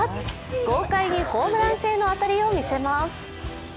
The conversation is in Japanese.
豪快にホームラン性の当たりを見せます。